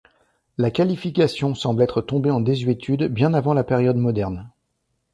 La qualififaction semble être tombée en désuétude bien avant la période moderne.